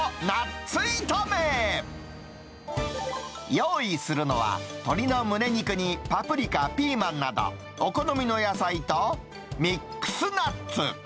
用意するのは、鶏のむね肉にパプリカ、ピーマンなどお好みの野菜とミックスナッ